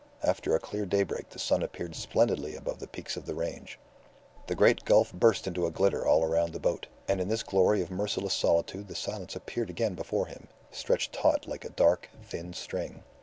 After a clear daybreak the sun appeared splendidly above the peaks of the range. The great gulf burst into a glitter all around the boat; and in this glory of merciless solitude the silence appeared again before him, stretched taut like a dark, thin string.